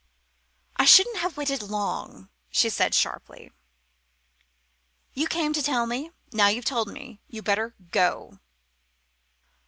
"I shouldn't have waited long," she said sharply; "you came to tell me: now you've told me you'd better go."